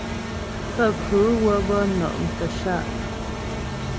Pənkhʉ wə́ gɔ nɔ' mkəshâ'.